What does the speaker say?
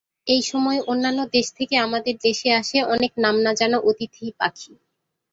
এইসময় অন্যান্য দেশ থেকে আমাদের দেশে আসে অনেক নাম না জানা অতিথি পাখি।